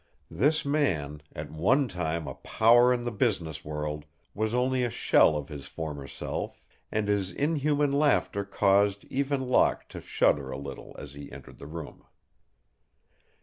This man, at one time a power in the business world, was only a shell of his former self, and his inhuman laughter caused even Locke to shudder a little as he entered the room.